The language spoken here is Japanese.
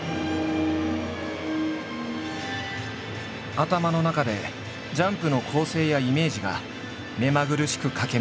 頭の中でジャンプの構成やイメージが目まぐるしく駆け巡る。